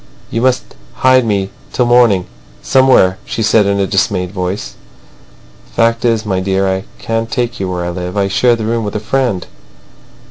"You must hide me till the morning somewhere," she said in a dismayed voice. "Fact is, my dear, I can't take you where I live. I share the room with a friend."